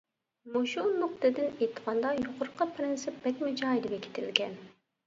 مۇشۇ نۇقتىدىن ئېيتقاندا، يۇقىرىقى پىرىنسىپ بەكمۇ جايىدا بېكىتىلگەن.